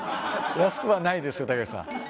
安くはないですよたけしさん。